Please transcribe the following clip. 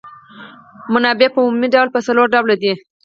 منابع په عمومي ډول په څلور ډوله دي.